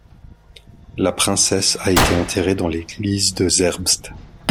La princesse a été enterré dans l'Église de Zerbst.